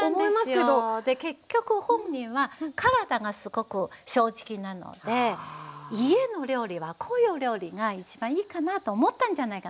結局本人は体がすごく正直なので家の料理はこういう料理が一番いいかなと思ったんじゃないかなと思いますよね。